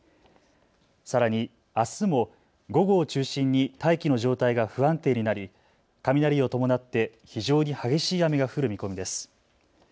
さらにあすも午後を中心に大気の状態が不安定になり雷を伴って非常に激しい雨が降る見込みです。